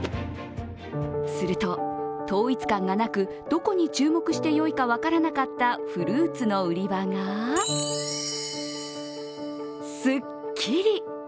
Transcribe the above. すると、統一感がなくどこに注目してよいか分からなかったフルーツの売り場が、すっきり。